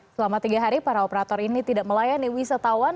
selama tiga hari para operator ini tidak melayani wisatawan